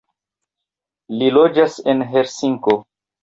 Li loĝas en Helsinko.